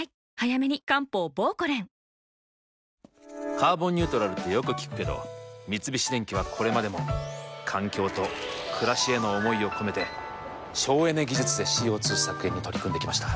「カーボンニュートラル」ってよく聞くけど三菱電機はこれまでも環境と暮らしへの思いを込めて省エネ技術でＣＯ２削減に取り組んできました。